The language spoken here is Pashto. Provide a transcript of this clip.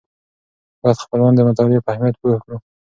باید خپلوان د مطالعې په اهمیت پوه کړو.